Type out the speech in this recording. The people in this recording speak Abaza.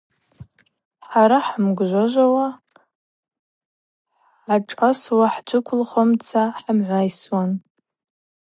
Хӏара хӏымгвжважвауа, хӏгӏашӏасуа-хӏджвыквылхуа хӏымгӏвайсуан.